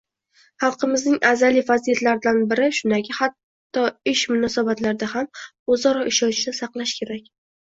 Xalqimizning azaliy fazilatlaridan biri shundaki, hatto ish munosabatlarida ham o'zaro ishonchni saqlash kerak